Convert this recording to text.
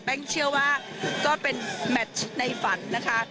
เชื่อว่าก็เป็นแมทในฝันนะคะ